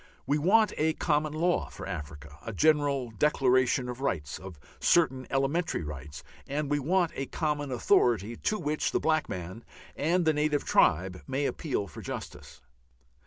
We want a common law for Africa, a general Declaration of Rights, of certain elementary rights, and we want a common authority to which the black man and the native tribe may appeal for justice.